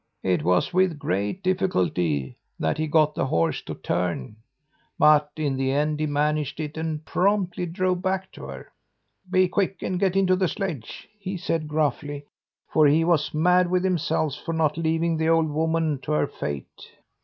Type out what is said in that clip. "It was with great difficulty that he got the horse to turn, but in the end he managed it and promptly drove back to her. "'Be quick and get into the sledge,' he said gruffly; for he was mad with himself for not leaving the old woman to her fate.